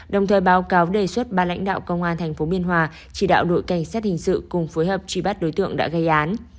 đồng thời báo cáo đề xuất ba lãnh đạo công an tp biên hòa chỉ đạo đội cảnh sát hình sự cùng phối hợp truy bắt đối tượng đã gây án